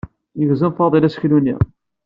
Yegzem Faḍil aseklu-nni.